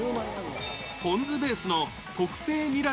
ポン酢ベースの特製ニラ